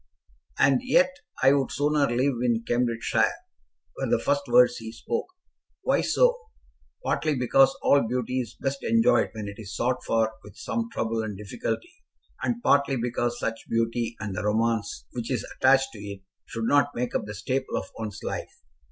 "And yet I would sooner live in Cambridgeshire," were the first words he spoke. "Why so?" "Partly because all beauty is best enjoyed when it is sought for with some trouble and difficulty, and partly because such beauty, and the romance which is attached to it, should not make up the staple of one's life.